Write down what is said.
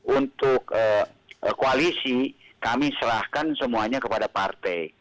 untuk koalisi kami serahkan semuanya kepada partai